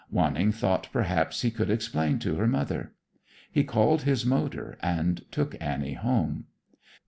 Wanning thought perhaps he could explain to her mother. He called his motor and took Annie home.